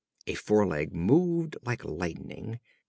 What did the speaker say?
A foreleg moved like lightning.